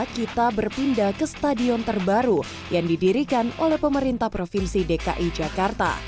kita berpindah ke stadion terbaru yang didirikan oleh pemerintah provinsi dki jakarta